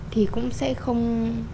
thì cũng sẽ không